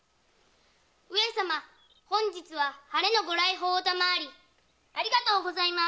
上様本日は晴れのご来訪を賜りありがとうございます。